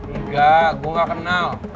enggak gue gak kenal